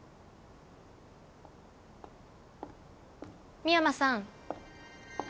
深山さん。